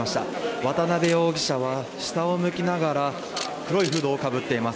渡辺容疑者は下を向きながら黒いフードをかぶっています。